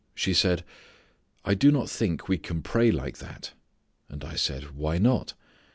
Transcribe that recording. She said, "I do not think we can pray like that." And I said, "Why not?"